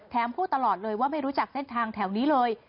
พูดตลอดเลยว่าไม่รู้จักเส้นทางแถวนี้เลย